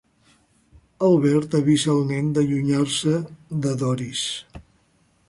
Albert avisa el nen de allunyar-se de Doris.